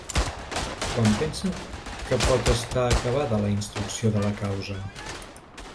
Quan pensen que pot estar acabada la instrucció de la causa?